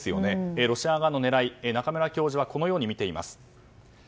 ロシア側の狙い中村教授はこのように見てます。